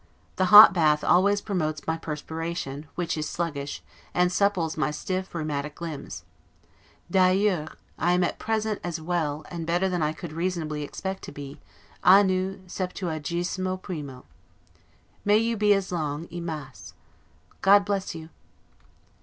The hot bath always promotes my perspiration, which is sluggish, and supples my stiff rheumatic limbs. 'D'ailleurs', I am at present as well, and better than I could reasonably expect to be, 'annu septuagesimo primo'. May you be so as long, 'y mas'! God bless you!